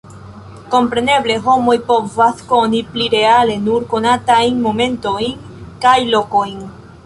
Kompreneble homoj povas koni pli reale nur konatajn momentojn kaj lokojn.